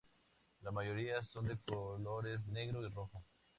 La mayoría son de colores negro y rojo.